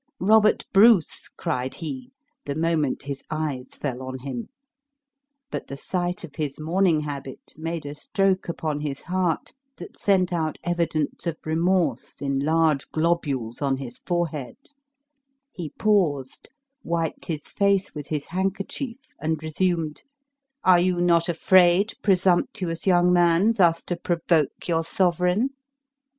"Robert Bruce!" cried he, the moment his eyes fell on him; but the sight of his mourning habit made a stroke upon his heart that sent out evidence of remorse in large globules on his forehead; he paused, wiped his face with his handkerchief, and resumed: "Are you not afraid, presumptuous young man, thus to provoke your sovereign?